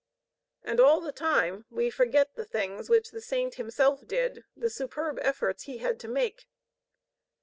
And all the time we forget the things which the saint himself did, the superb efforts he had to make.